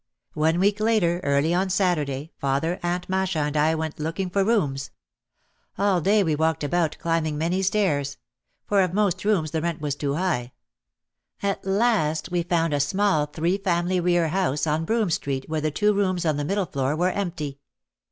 One week later, early on Saturday, father, Aunt Masha and I went looking for rooms. All day we OUT OF THE SHADOW 141 walked about, climbing many stairs. For of most rooms the rent was too high. At last we found a small three family rear house on Broome Street where the two rooms on the middle floor were empty.